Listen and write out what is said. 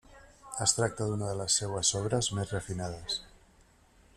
Es tracta d'una de les seues obres més refinades.